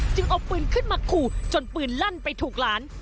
เอาปืนขึ้นมาขู่จนปืนลั่นไปถูกหลาน